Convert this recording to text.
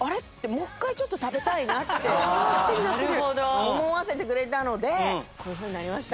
もう１回ちょっと食べたいなって思わせてくれたのでこういうふうになりました。